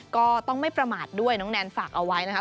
ก็ไม่ประมาทด้วยน้องแนนฝากเอาไว้นะครับ